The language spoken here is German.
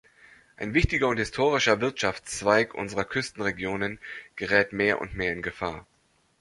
Ein wichtiger und historischer Wirtschaftszweig unserer Küstenregionen gerät mehr und mehr in Gefahr.